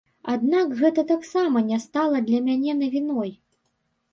Аднак гэта таксама не стала для мяне навіной.